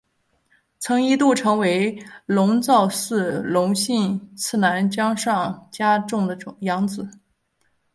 曾一度成为龙造寺隆信次男江上家种的养子。